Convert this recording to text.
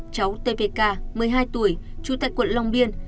cháu t p k một mươi hai tuổi chú tại quận long biên